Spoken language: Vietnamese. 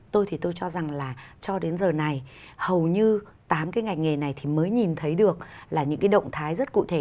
tôi thì tôi cho rằng là cho đến giờ này hầu như tám cái ngành nghề này thì mới nhìn thấy được là những cái động thái rất cụ thể